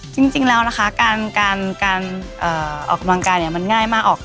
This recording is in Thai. จริงแล้วนะคะการออกกำลังกายเนี่ยมันง่ายมากออก